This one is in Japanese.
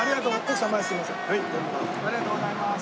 ありがとうございます。